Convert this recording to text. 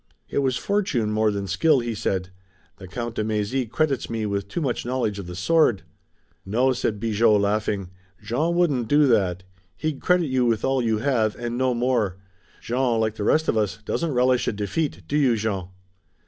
"It was fortune more than skill," he said. "The Count de Mézy credits me with too much knowledge of the sword." "No," said Bigot, laughing, "Jean wouldn't do that. He'd credit you with all you have, and no more. Jean, like the rest of us, doesn't relish a defeat, do you, Jean?"